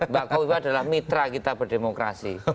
mbak kopi adalah mitra kita berdemokrasi